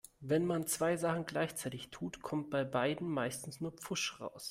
Wenn man zwei Sachen gleichzeitig tut, kommt bei beidem meistens nur Pfusch raus.